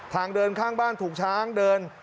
ทางเดินข้างบ้านถูกช้างเดิน